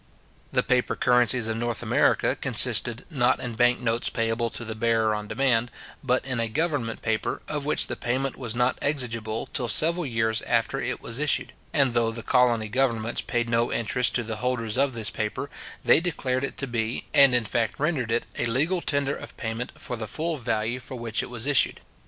The paper currencies of North America consisted, not in bank notes payable to the bearer on demand, but in a government paper, of which the payment was not exigible till several years after it was issued; and though the colony governments paid no interest to the holders of this paper, they declared it to be, and in fact rendered it, a legal tender of payment for the full value for which it was issued.